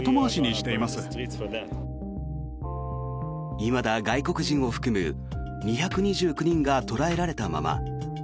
いまだ外国人を含む２２９人が捕らえられたまま。